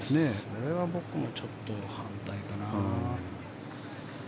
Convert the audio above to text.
それは僕はちょっと反対かな。